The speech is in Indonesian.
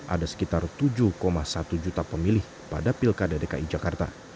ada sekitar tujuh satu juta pemilih pada pilkada dki jakarta